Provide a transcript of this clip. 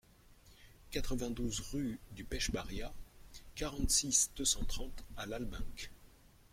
quatre-vingt-douze rue du Pech Barriat, quarante-six, deux cent trente à Lalbenque